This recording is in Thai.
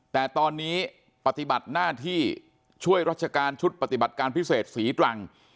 แต่ตอนนี้ปฏิบัติหน้าที่ช่วยราชการชุดปฏิบัติการพิเศษศรีตรัง